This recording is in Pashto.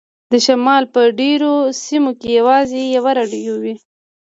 د شمال په ډیرو سیمو کې یوازې یوه راډیو وي